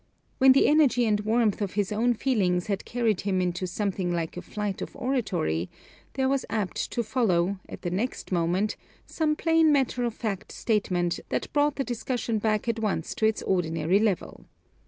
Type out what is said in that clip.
When the energy and warmth of his own feelings had carried him into something like a flight of oratory, there was apt to follow, at the next moment, some plain matter of fact statement that brought the discussion back at once to its ordinary level.